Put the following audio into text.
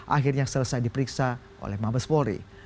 akhirnya selesai diperiksa oleh mabes polri